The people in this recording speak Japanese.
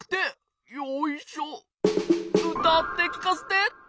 うたってきかせて！